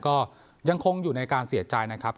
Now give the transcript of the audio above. ก็ยังคงอยู่ในการเสียใจนะครับ